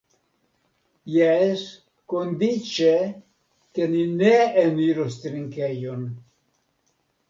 Jes, kondiĉe, ke ni ne eniros trinkejon.